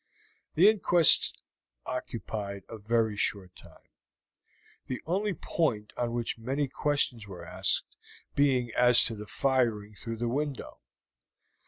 The inquest occupied a very short time, the only point on which many questions were asked being as to the firing through the window.